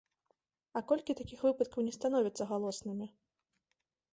А колькі такіх выпадкаў не становяцца галоснымі?